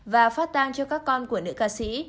và phát tang cho các con của nữ ca sĩ